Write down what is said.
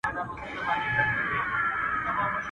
o کږدۍ پر خپلو مراندو ولاړه ده.